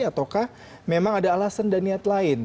ataukah memang ada alasan dan niat lain